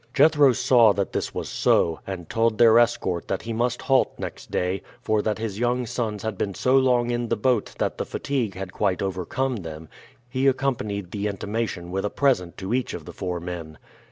Jethro saw that this was so, and told their escort that he must halt next day, for that his young sons had been so long in the boat that the fatigue had quite overcome them; he accompanied the intimation with a present to each of the four men.